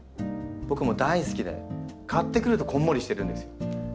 僕も大好きで買ってくるとこんもりしてるんですよ。